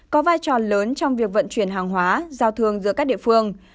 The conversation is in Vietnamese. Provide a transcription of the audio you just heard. có vai trò lớn trong việc vận chuyển hàng hóa giao thương giữa các địa phương